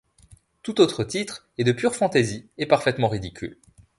Tout autre titre est de pure fantaisie et parfaitement ridicule.